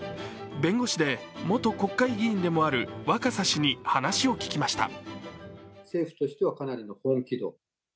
弁護士で元国会議員でもある若狭氏に話を聞きました。